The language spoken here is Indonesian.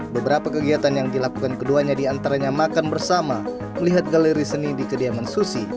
beberapa kegiatan yang dilakukan keduanya diantaranya makan bersama melihat galeri seni di kediaman susi